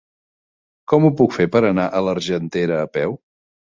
Com ho puc fer per anar a l'Argentera a peu?